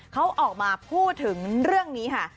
เขาออกมาพูดถึงเรื่องนี้ค่ะ